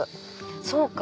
そうか！